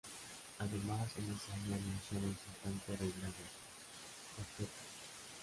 Además, en ese año enunció la importante regla del octeto.